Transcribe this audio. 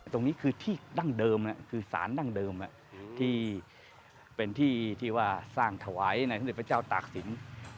ตรงนี้คือที่ดั้งเดิมคือสารดั้งเดิมที่เป็นที่ที่ว่าสร้างถวายในสมเด็จพระเจ้าตากศิลป์